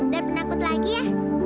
dan penangkut lagi ya